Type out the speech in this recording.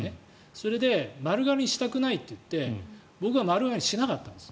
それで丸刈りにしたくないと言って僕は丸刈りにしなかったんです。